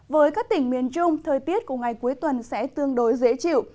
với các tỉnh miền trung thời tiết của ngày cuối tuần sẽ tương đối dễ chịu